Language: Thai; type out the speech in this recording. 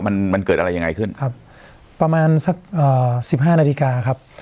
มันมันเกิดอะไรยังไงขึ้นครับประมาณสักอ่าสิบห้านาฬิกาครับ